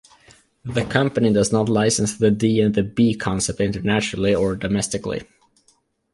The company does not license the D and B concept internationally or domestically.